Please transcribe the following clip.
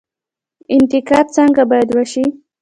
انتقاد څنګه باید وشي؟